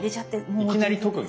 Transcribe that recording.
いきなり特技？